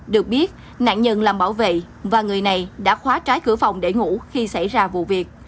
được biết nạn nhân làm bảo vệ và người này đã khóa trái cửa phòng để ngủ khi xảy ra vụ việc